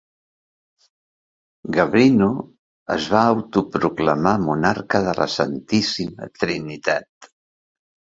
Gabrino es va autoproclamar monarca de la Santíssima Trinitat.